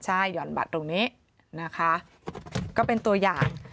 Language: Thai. ใช่หย่อนบัตรตรงนี้นะคะก็เป็นตัวอย่าง